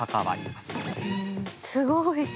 すごい。